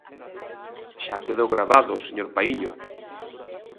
Xa quedou gravado, señor Paíño.